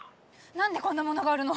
何でこんなものがあるの？